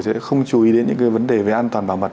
sẽ không chú ý đến những cái vấn đề về an toàn bảo mật